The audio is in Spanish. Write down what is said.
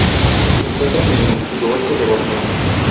Se encuentran en el sudoeste de Borneo.